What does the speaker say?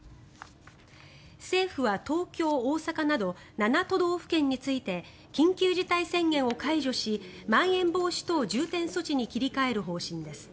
政府は東京、大阪など７都道府県について緊急事態宣言を解除しまん延防止等重点措置に切り替える方針です。